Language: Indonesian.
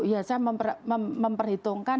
iya saya memperhitungkan